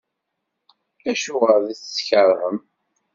Acuɣer i tt-tkerhem?